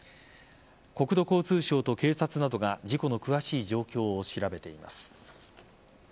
国土交通省と警察などが事故の詳しい状況を調べています。